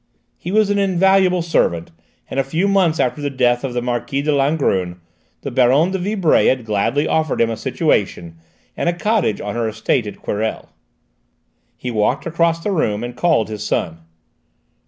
He was an invaluable servant, and a few months after the death of the Marquise de Langrune, the Baronne de Vibray had gladly offered him a situation, and a cottage on her estate at Querelles. He walked across the room, and called his son.